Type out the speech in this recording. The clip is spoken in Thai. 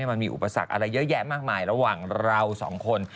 มันมีอุปสรรคอะไรเยอะแยะมากมายระหว่างเราสองคน